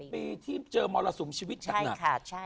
ปีที่เจอมรสุมชีวิตหนัก